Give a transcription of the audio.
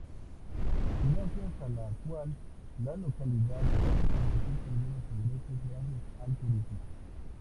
Gracias a la cual, la localidad puede permitirse algunos ingresos gracias al turismo.